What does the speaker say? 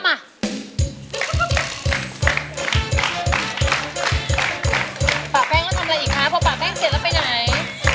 ป่าแป้งแล้วทำอะไรอีกคะพอป่าแป้งเสร็จแล้วไปไหน